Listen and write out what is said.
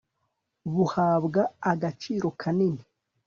buhabwa agaciro kanini